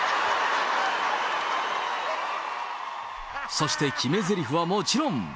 そして決めぜりふはもちろん。